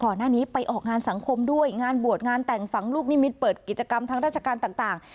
หน้าไปออกงานสังคมด้วยงานบวชงานแต่งฝังลูกนิมิตเปิดกิจกรรมทางราชการต่าง